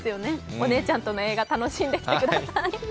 お姉ちゃんとの映画楽しんできてください。